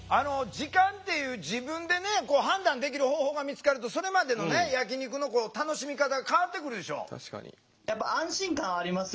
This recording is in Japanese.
時間っていう自分でね判断できる方法が見つかるとそれまでの焼き肉の楽しみ方が変わってくるでしょう？